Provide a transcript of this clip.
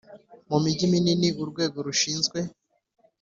Mu mijyi minini urwego rushinzwe